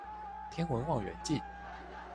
天文望遠鏡